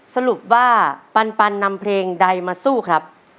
สรุปว่าปันนำเพลงใดมาสู้ครับ